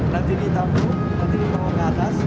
nanti ditampung nanti dibawa ke atas